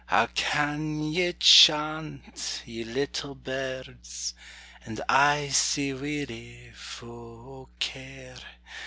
How can ye chant, ye little birds, And I sae weary, fu' o' care?